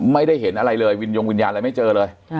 ไม่ได้เห็นอะไรเลยวินยงวิญญาณอะไรไม่เจอเลย